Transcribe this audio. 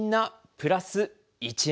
プラス１円。